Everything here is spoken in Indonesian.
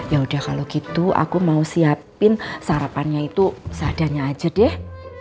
ya udah kalau gitu aku mau siapin sarapannya itu seadanya aja deh